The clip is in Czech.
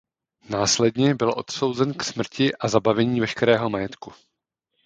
Následně byl odsouzen k smrti a zabavení veškerého majetku.